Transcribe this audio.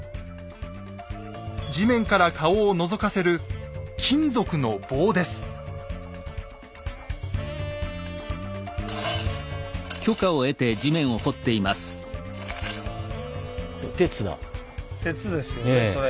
地面から顔をのぞかせる鉄ですよねそれ。